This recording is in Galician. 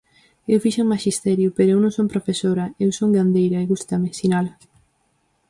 Eu fixen maxisterio pero eu non son profesora, eu son gandeira, e gústame, sinala.